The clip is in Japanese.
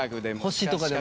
星とかでも？